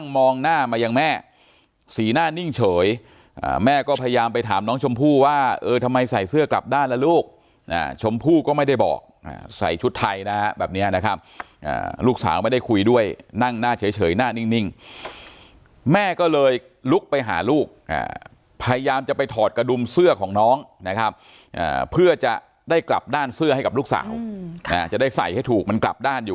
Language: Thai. มองหน้ามายังแม่สีหน้านิ่งเฉยแม่ก็พยายามไปถามน้องชมพู่ว่าเออทำไมใส่เสื้อกลับด้านล่ะลูกชมพู่ก็ไม่ได้บอกใส่ชุดไทยนะฮะแบบนี้นะครับลูกสาวไม่ได้คุยด้วยนั่งหน้าเฉยหน้านิ่งแม่ก็เลยลุกไปหาลูกพยายามจะไปถอดกระดุมเสื้อของน้องนะครับเพื่อจะได้กลับด้านเสื้อให้กับลูกสาวจะได้ใส่ให้ถูกมันกลับด้านอยู่